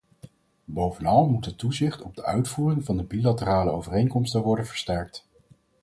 Bovenal moet het toezicht op de uitvoering van de bilaterale overeenkomsten worden versterkt.